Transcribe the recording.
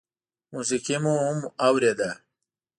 موسيقي مو هم اورېده.